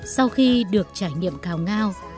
sau khi được trải nghiệm cào ngao